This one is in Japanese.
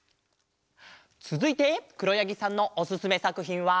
つづいてくろやぎさんのおすすめさくひんは。